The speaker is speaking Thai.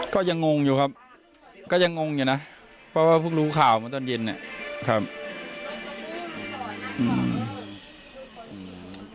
ก็ยังงงอยู่ครับก็ยังงงอยู่นะเพราะว่าเพิ่งรู้ข่าวมาตอนเย็นเนี่ยครับ